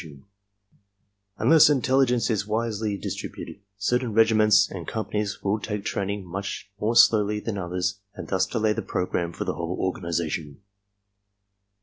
0 Unless intelligence is wisely distributed certain regiments and companies will take training much more slowly than others and thus delay the program of the whole organization.